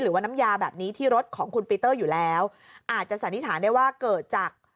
น้ำยาแบบนี้ที่รถของคุณปีเตอร์อยู่แล้วอาจจะสันนิษฐานได้ว่าเกิดจาก